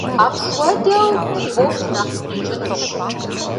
Апхуэдэу ди ӏуэху нэхъ къикӏынущ.